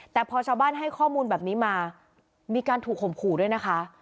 แต่พอชาวบ้านให้ข้อมูลแบบนี้มามีการถูกข่มขู่ด้วยนะคะ